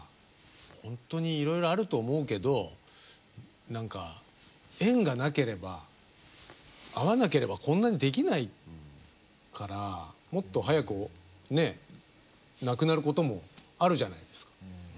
ほんとにいろいろあると思うけど何か縁がなければ合わなければこんなにできないからもっと早くねえなくなることもあるじゃないですか。